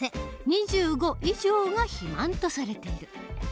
２５以上が肥満とされている。